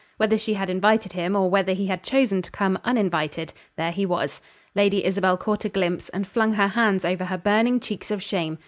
Whether she had invited him, or whether he had chosen to come uninvited, there he was. Lady Isabel caught a glimpse, and flung her hands over her burning cheeks of shame.